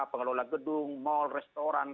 pengelola gedung mal restoran